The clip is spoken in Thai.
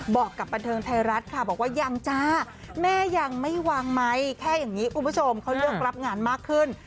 บอกกับบันเทิงไทยรัฐค่ะบอกว่ายังจ้าแม่ยังไม่วางไหมแค่อย่างนี้คุณผู้ชมเขาเลือกรับงานมากขึ้น